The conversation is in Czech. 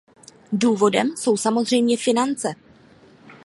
Důvodem jsou samozřejmě finance.